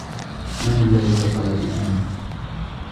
من الذي اتصل بآن.